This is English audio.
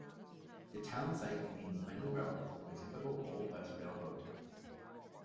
The town site contains many relics of a typical old west railroad town.